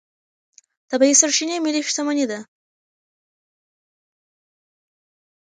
طبیعي سرچینې ملي شتمني ده.